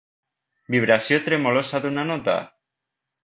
Vibració tremolosa d'una nota